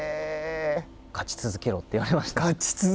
勝ち続けろと言われました。